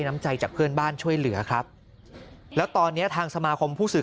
น้ำใจจากเพื่อนบ้านช่วยเหลือครับแล้วตอนเนี้ยทางสมาคมผู้สื่อ